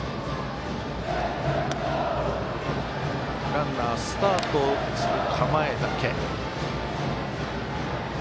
ランナー、スタートする構えだけ。